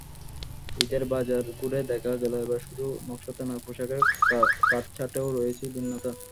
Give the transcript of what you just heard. ঈদের বাজার ঘুরে দেখা গেল, এবার শুধু নকশাতে নয়, পোশাকের কাটছাঁটেও রয়েছে ভিন্নতা।